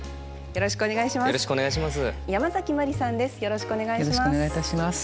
よろしくお願いします。